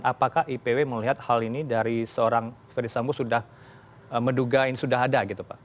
apakah ipw melihat hal ini dari seorang ferdisambo sudah menduga ini sudah ada gitu pak